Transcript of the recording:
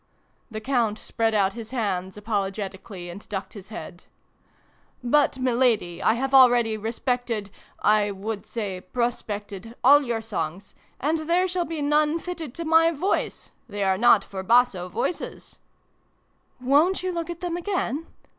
The Count spread out his hands apologeti cally, and ducked his head. " But, Milady, I have already respected 1 would say pro spected all your songs ; and there shall be none fitted to my voice ! They are not for basso voices !"" Wo'n't you look at them again